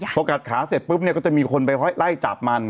พอกัดขาเสร็จปุ๊บเนี่ยก็จะมีคนไปไล่จับมัน